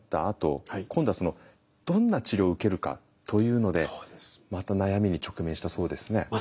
あと今度はどんな治療を受けるかというのでまた悩みに直面したそうですね。